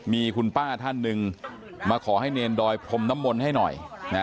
มีคุณป้าท่านหนึ่งมาขอให้เนรดอยพรมน้ำมนต์ให้หน่อย